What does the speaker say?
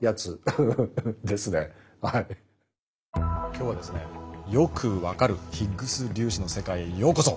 今日はですねよく分かるヒッグス粒子の世界へようこそ。